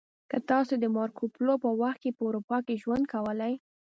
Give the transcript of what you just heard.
که تاسې د مارکو پولو په وخت کې په اروپا کې ژوند کولی